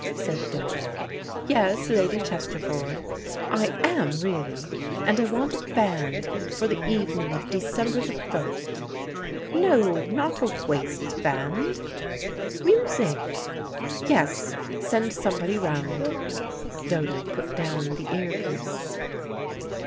said Dodo. "Yes, Lady Chesterford. I am really, and I want a band for the evening of December the first. No, not a waistband. Music. Yes, send somebody round." Dodo put down the ear piece.